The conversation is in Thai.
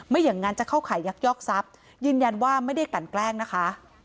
อย่างนั้นจะเข้าขายยักยอกทรัพย์ยืนยันว่าไม่ได้กลั่นแกล้งนะคะ